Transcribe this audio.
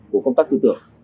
của công tác tư tưởng